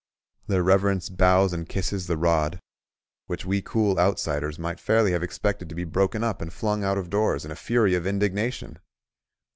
Their reverence bows and kisses the rod, which we cool outsiders might fairly have expected to be broken up and flung out of doors in a fury of indignation.